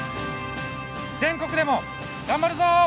全国でも頑張るぞ！